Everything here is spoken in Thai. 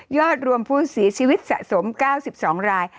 อดรวมผู้เสียชีวิตสะสม๙๒ราย